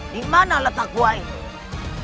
dimana letak buah ini